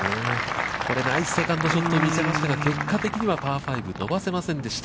これ、ナイスセカンドショットを見せましたが、結果的にはパー５、伸ばせませんでした。